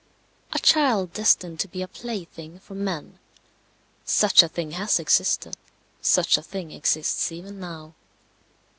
A child destined to be a plaything for men such a thing has existed; such a thing exists even now.